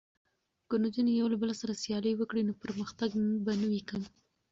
که نجونې یو بل سره سیالي وکړي نو پرمختګ به نه وي کم.